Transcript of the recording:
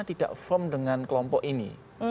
tidak firm dengan kelompok ini